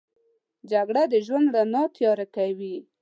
جګړه د ژوند رڼا تیاره کوي